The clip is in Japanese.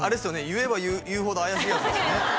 言えば言うほど怪しいやつですよね？